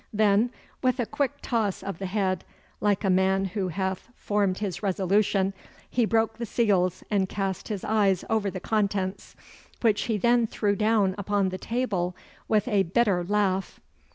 Then with a quick toss of the head, like a man who hath formed his resolution, he broke the seals and cast his eyes over the contents, which he then threw down upon the table with a bitter laugh.